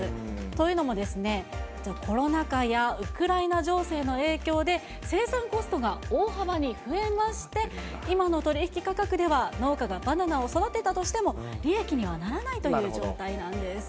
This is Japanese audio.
というのも、コロナ禍や、ウクライナ情勢の影響で生産コストが大幅に増えまして、今の取り引き価格では、農家がバナナを育てたとしても、利益にはならないという状態なんです。